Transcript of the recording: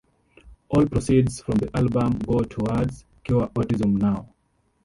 All proceeds from the album go towards "Cure Autism Now".